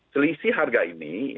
selisih harga ini